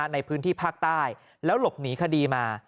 ในพื้นที่ภาคใต้แล้วหลบหนีคดีมา